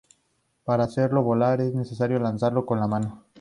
Para hacerlo volar, es necesario lanzarlo con la mano.